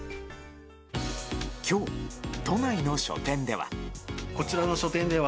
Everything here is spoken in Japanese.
今日、都内の書店では。